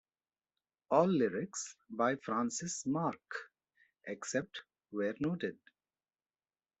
All lyrics by Francis Mark except where noted.